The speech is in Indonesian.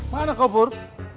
mana kau pur